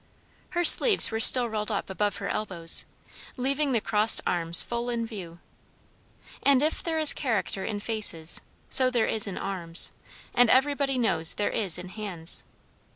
Her sleeves were still rolled up above her elbows, leaving the crossed arms full in view. And if there is character in faces, so there is in arms; and everybody knows there is in hands.